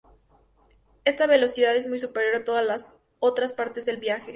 Esta velocidad es muy superior a todas las otras partes del viaje.